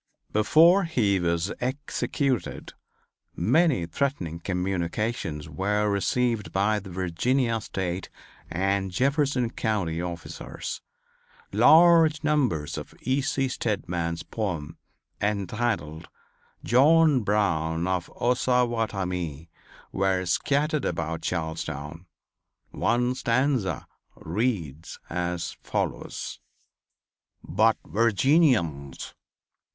Before he was executed many threatening communications were received by the Virginia State and Jefferson County officers. Large numbers of E. C. Stedman's poem, entitled "John Brown of Ossawattamie," were scattered about Charlestown. One stanza reads as follows: "But Virginians!